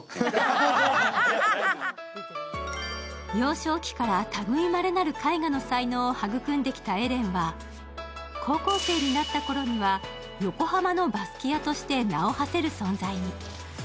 幼少期から類いまれなる絵画の才能を育んできたエレンは高校生になったころには横浜のバスキアとして名を馳せる存在に。